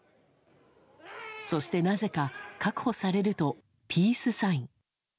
そしてなぜか、確保されるとピースサイン。